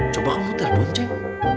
coba kamu telepon ceng